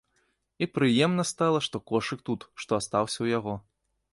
І прыемна стала, што кошык тут, што астаўся ў яго.